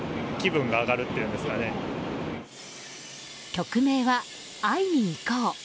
曲名は、「会いにいこう」。